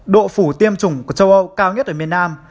độ phủ tiêm chủng của châu âu cao nhất ở miền nam